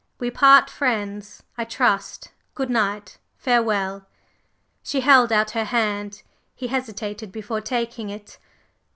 We part friends, I trust? Good night! Farewell!" She held out her hand. He hesitated before taking it.